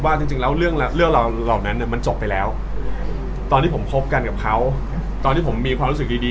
อย่างเรื่องรักเรื่องเลิกเรื่องเก้าชุดอะไรอย่างเงี้ยเพราะโดนบ่อยเราก็ชินเฉยเราไม่